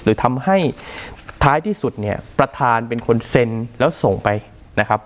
หรือทำให้ท้ายที่สุดเนี่ยประธานเป็นคนเซ็นแล้วส่งไปนะครับ